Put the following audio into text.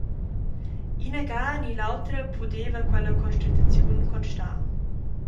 Inaga ni l’autra pudeva quella constataziun constar.